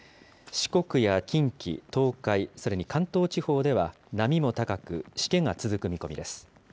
四国や近畿、東海、それに関東地方では波も高くしけが続く見込みです。